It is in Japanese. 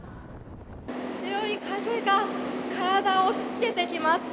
強い風が体を押しつけてきます。